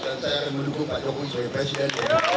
dan saya akan mendukung pak jokowi sebagai presiden